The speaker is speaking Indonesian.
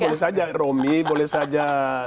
bagi pak romi boleh saja